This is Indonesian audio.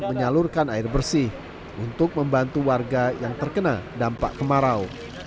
menyalurkan air bersih untuk membantu warga yang terkena dampak kemarau